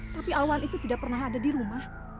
tapi awal itu tidak pernah ada di rumah